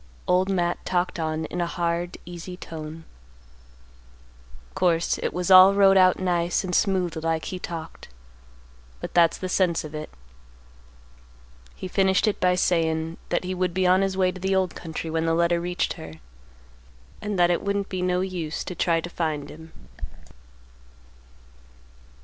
Old Matt talked on in a hard easy tone. "Course it was all wrote out nice and smooth like he talked, but that's the sense of it. He finished it by sayin' that he would be on his way to the old country when the letter reached her, and that it wouldn't be no use to try to find him.